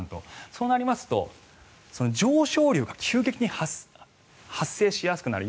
そうなりますと、上昇流が急激に発生しやすくなる。